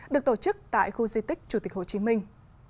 được tổ chức tại khu di tích chủ tịch hồ chí minh